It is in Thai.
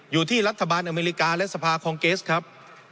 อยู่ที่รัฐบาลอเมริกาและสภาคองเกสครับ